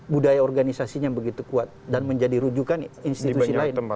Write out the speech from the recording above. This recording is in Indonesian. budaya organisasinya begitu kuat dan menjadi rujukan institusi lain